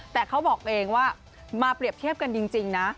แต่เขาบอกเองว่ามาเปรียบเทียบกันจริงนะ